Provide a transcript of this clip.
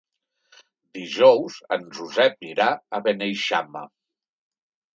Dijous en Josep irà a Beneixama.